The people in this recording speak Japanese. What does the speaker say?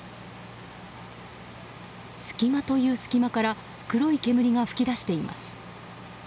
隙間という隙間から黒い煙が噴き出しています。